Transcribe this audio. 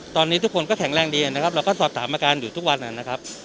ตอนนี้ทุกคนก็แข็งแรงดีนะครับเราก็สอบถามอาการอยู่ทุกวันนะครับ